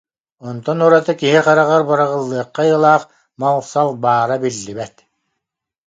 онтон ураты киһи хараҕар быраҕыллыахха айылаах мал-сал баара биллибэт